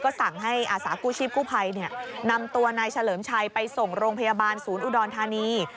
สั่งให้อาสากู้ชีพกู้ภัยนำตัวนายเฉลิมชัยไปส่งโรงพยาบาลศูนย์อุดรธานี